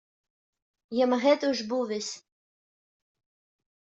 Yemɣi-d ucebbub-is.